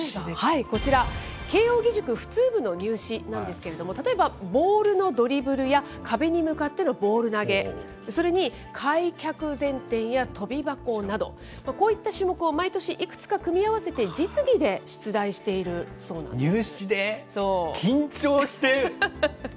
こちら、慶應義塾普通部の入試なんですけれども、例えばボールのドリブルや壁に向かってのボール投げ、それに開脚前転やとび箱など、こういった種目を毎年、いくつか組み合わせて実技で出題しているそうなんです。